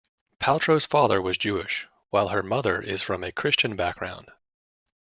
Paltrow's father was Jewish, while her mother is from a Christian background.